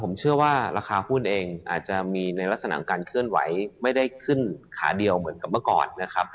ผมเชื่อว่าราคาหุ้นเองอาจจะมีในลักษณะของการเคลื่อนไหวไม่ได้ขึ้นขาเดียวเหมือนกับเมื่อก่อนนะครับ